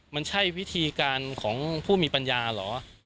มันใช่วิธีการของผู้มีปัญญาเหรอ